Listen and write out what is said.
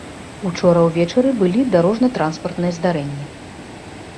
Учора ўвечары былі дарожна-транспартныя здарэнні.